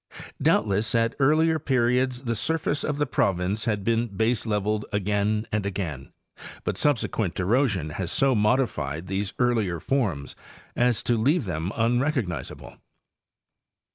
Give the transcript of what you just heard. Doubtless, at earlier periods the surface of the province had been baseleveled again and again, but subsequent erosion has so modified these earlier forms as to leave them unrecognizable.